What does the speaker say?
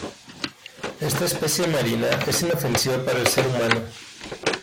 Esta especie marina es inofensiva para el ser humano.